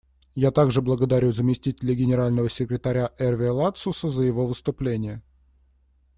Я также благодарю заместителя Генерального секретаря Эрве Ладсуса за его выступление.